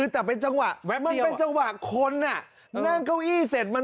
แต่เป็นจังหวะคน